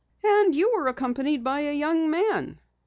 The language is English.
"And you were accompanied by a young man."